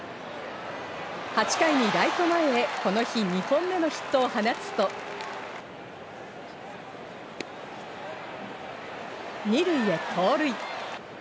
８回にはライト前へ、この日２本目のヒットを放つと、二塁へ盗塁。